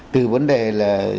từ vấn đề là